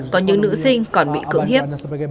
có những nữ sinh còn bị cửa hiếp